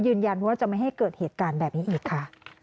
ยืนยันว่าจะไม่ให้เกิดเหตุการณ์แบบนี้อีกค่ะ